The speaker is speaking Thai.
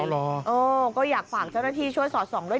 เหรอเออก็อยากฝากเจ้าหน้าที่ช่วยสอดส่องด้วย